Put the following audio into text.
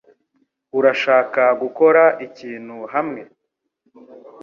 Urashaka gukora ikintu hamwe?